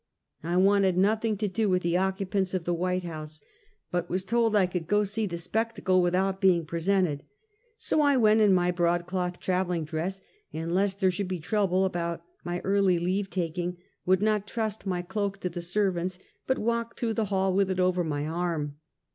I wanted nothing to do with the occupants of the White House, but was told I could go and see the spectacle without being presented. So I went in my broadcloth traveling dress, and lest there should be trouble about my early leave taking, would not trust my cloak to the servants, but walked through the hall with it over my arm.